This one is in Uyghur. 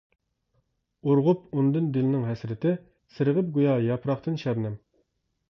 ئۇرغۇپ ئۇندىن دىلنىڭ ھەسرىتى، سىرغىپ گويا ياپراقتىن شەبنەم.